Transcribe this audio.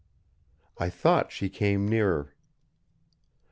I thought she came nearer.